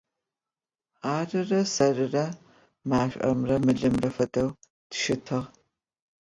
Арырэ сэрырэ машӏомрэ мылымрэ афэдэу тыщытыгъ.